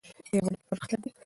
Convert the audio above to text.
په یووالي کې پرمختګ ده